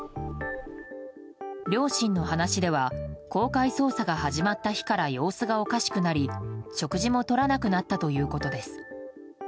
両親の話では公開捜査が始まった日から様子がおかしくなり、食事もとらなくなったということです。